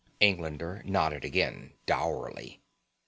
Englander nodded again, dourly.